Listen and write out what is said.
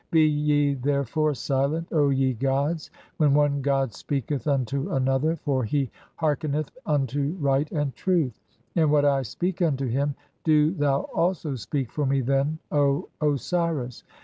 Be ye therefore silent, "O ye gods, (6) when one god speaketh unto another, for he "hearkeneth unto right and truth ; and what I speak unto [him] "do thou also speak for me then, O Osiris.